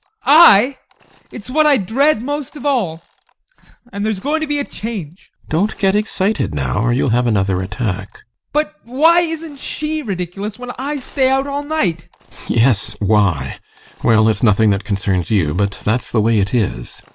ADOLPH. [Convulsively] I! It's what I dread most of all and there's going to be a change. GUSTAV. Don't get excited now or you'll have another attack. ADOLPH. But why isn't she ridiculous when I stay out all night? GUSTAV. Yes, why? Well, it's nothing that concerns you, but that's the way it is.